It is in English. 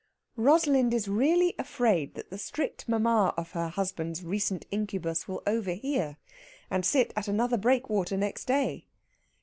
Rosalind is really afraid that the strict mamma of her husband's recent incubus will overhear, and sit at another breakwater next day.